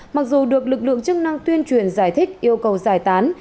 mặc dù được lực lượng chức năng tuyên truyền giải thích yêu cầu giải tán